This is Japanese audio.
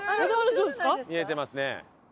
見えてますね。